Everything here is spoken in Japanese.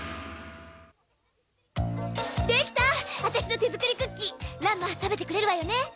私の手作りクッキー乱馬食べてくれるわよね